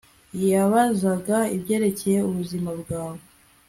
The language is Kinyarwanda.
Yabazaga ibyerekeye ubuzima bwawe